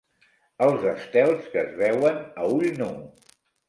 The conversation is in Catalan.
Els estels que es veuen a ull nu.